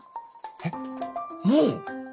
えっもう？